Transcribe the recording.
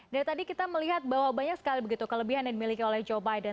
dari tadi kita melihat bahwa banyak sekali begitu kelebihan yang dimiliki oleh joe biden